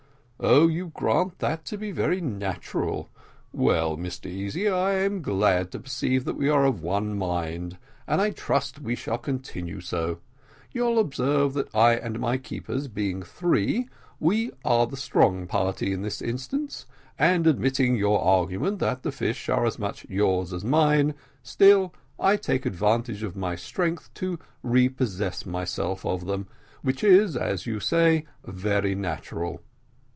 "Oh! you grant that to be very natural. Well, Mr Easy, I am glad to perceive that we are of one mind, and I trust we shall continue so. You'll observe that I and my keepers being three, we are the strong party in this instance, and admitting your argument, that the fish are as much yours as mine, still I take advantage of my strength to repossess myself of them, which is, as you say, very natural.